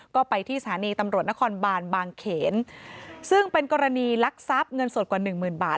ก็ไปที่สถานีตำรวจนครบานบางเขนซึ่งเป็นกรณีลักทรัพย์เงินสดกว่าหนึ่งหมื่นบาท